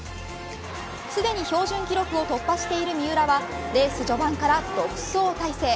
すでに標準記録を突破している三浦はレース序盤から独走態勢。